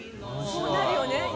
そうなるよね。